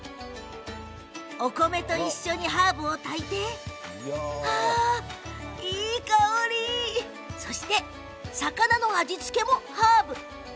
お米と一緒にハーブを炊いて魚の味付けもハーブ。